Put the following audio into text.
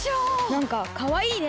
なんかかわいいね。